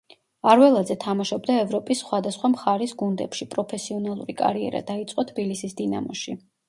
არველაძე თამაშობდა ევროპის სხვადასხვა მხარის გუნდებში, პროფესიონალური კარიერა დაიწყო თბილისის „დინამოში“.